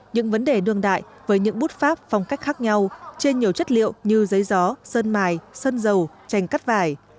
những vấn đề đường đại với những bút pháp phong cách khác nhau trên nhiều chất liệu như giấy gió sơn mài sơn dầu tranh cắt vải